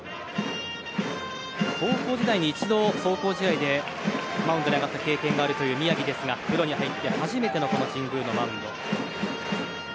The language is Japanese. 高校時代に一度、壮行試合でマウンドに上がった経験があるという宮城ですがプロに入って初めての神宮のマウンド。